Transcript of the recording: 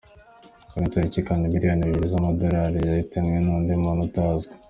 Kuri iyo tariki kandi, miliyoni ebyiri z’amadolari, yahitanywe n’undi muntu utazwi.